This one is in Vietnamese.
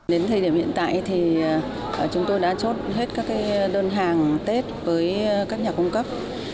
đến thời điểm hiện tại thì chúng tôi đã chốt hết các đơn hàng tết với các nhà cung cấp